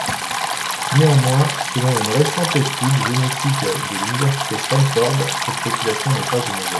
Néanmoins, selon une récente étude génétique de l'université Stanford, cette population n'est pas homogène.